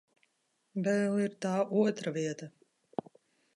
Vēl ir tā otra vieta.